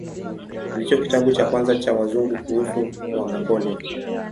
Ndicho kitabu cha kwanza cha Wazungu kuhusu Wamongolia.